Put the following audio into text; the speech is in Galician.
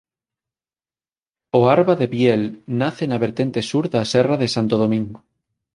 O Arba de Biel nace na vertente sur da serra de Santo Domingo.